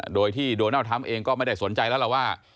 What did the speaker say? โดยที่โดนัลดทรัมป์เองก็ไม่ได้สนใจแล้วล่ะว่า